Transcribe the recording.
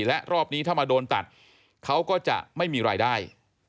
และรอบนี้ถ้ามาโดนตัดเขาก็จะไม่มีรายได้